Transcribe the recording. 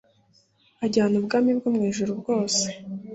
ajyana ubwami bwomwijuru bwose